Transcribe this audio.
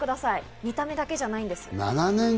見た目だけじゃないんです。